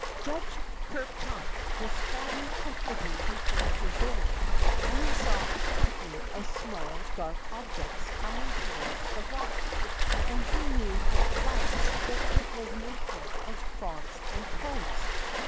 Judge Ker Chunk was squatting comfortably before his door, when he saw a company of small, dark objects coming toward the rock, and he knew at a glance that it was made up of frogs and toads.